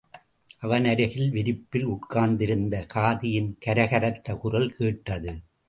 அவனருகிலே விரிப்பில் உட்கார்ந்திருந்த காதியின் கர கரத்த குரல் கேட்டது.